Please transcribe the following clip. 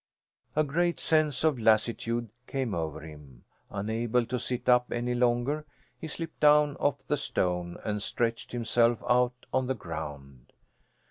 A great sense of lassitude came over him. Unable to sit up any longer, he slipped down off the stone and stretched himself out on the ground.